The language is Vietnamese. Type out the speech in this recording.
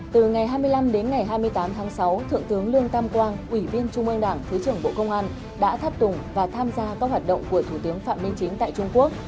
từ ngày hai mươi năm đến ngày hai mươi tám tháng sáu thượng tướng lương tam quang ủy viên trung ương đảng thứ trưởng bộ công an đã tháp tùng và tham gia các hoạt động của thủ tướng phạm minh chính tại trung quốc